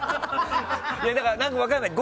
分からないよ？